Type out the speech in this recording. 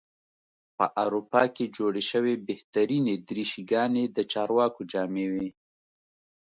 په اروپا کې جوړې شوې بهترینې دریشي ګانې د چارواکو جامې وې.